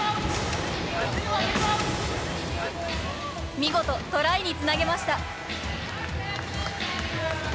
見事、トライにつなげました。